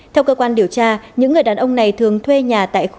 theo cơ quan điều tra những người đàn ông này thường thuê nhà tại khu